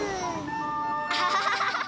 アハハハハ！